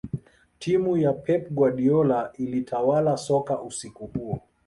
timu ya pep guardiola ilitawala soka usiku huo